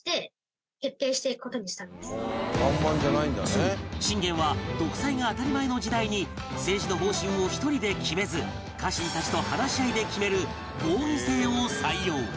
そう信玄は独裁が当たり前の時代に政治の方針を１人で決めず家臣たちと話し合いで決める合議制を採用